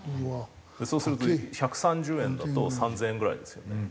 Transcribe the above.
そうすると１３０円だと３０００円ぐらいですよね。